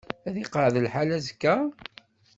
Ad iqeεεed lḥal azekka?